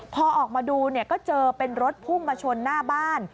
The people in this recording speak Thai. พอออกมาดูเนี่ยก็เจอเป็นรถพุ่งมาชนหน้าบ้าน